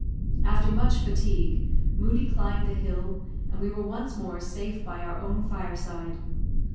After much fatigue, Moodie climbed the hill, and we were once more safe by our own fireside.